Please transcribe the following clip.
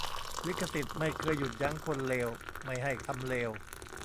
ลิขสิทธิ์ไม่เคยหยุดยั้งคนเลวไม่ให้ทำเลว